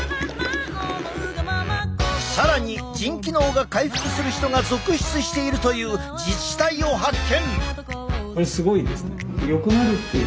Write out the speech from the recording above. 更に腎機能が回復する人が続出しているという自治体を発見！